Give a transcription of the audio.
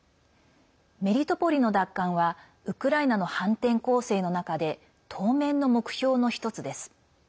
メリトポリの奪還はウクライナの反転攻勢の中で当面の目標の１つです。